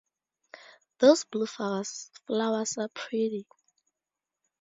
Those blue flowers are pretty